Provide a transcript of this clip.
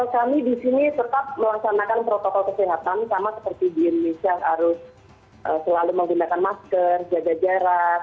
kami di sini tetap melaksanakan protokol kesehatan sama seperti di indonesia harus selalu menggunakan masker jaga jarak